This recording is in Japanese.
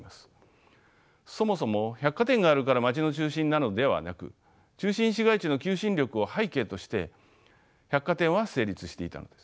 そもそも百貨店があるから街の中心なのではなく中心市街地の求心力を背景として百貨店は成立していたのです。